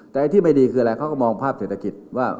แต่ไอ้ที่ไม่ดีคืออะไรเขาก็มองภาพเศรษฐกิจว่า